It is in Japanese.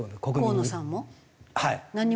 河野さんも？